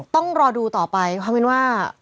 ต้องรอดูต่อไปความเป็นว่า